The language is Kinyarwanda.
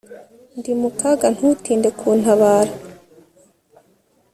ndi mu kaga, ntutinde kuntabara